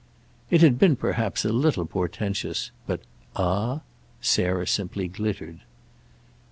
It had been perhaps a little portentous, but "Ah?" Sarah simply glittered.